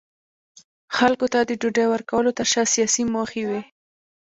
خلکو ته د ډوډۍ ورکولو ترشا سیاسي موخې وې.